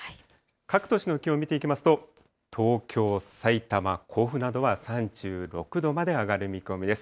各都市の気温見ていきますと、東京、さいたま、甲府などは３６度まで上がる見込みです。